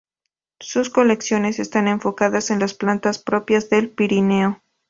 Sus colecciones están enfocadas en las plantas propias del Pirineo